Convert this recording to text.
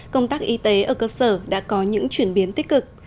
công tác y tế ở cơ sở đã có những chuyển biến tích cực